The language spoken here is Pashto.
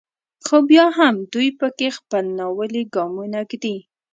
خو بیا هم دوی په کې خپل ناولي ګامونه ږدي.